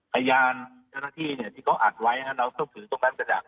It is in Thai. พยานเจ้าหน้าที่ที่เขาอัดไว้เราต้องถือตรงแบบสดับ